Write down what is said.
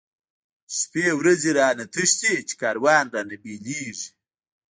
چی شپی ورځی را نه تښتی، چی کاروان را نه بیلیږی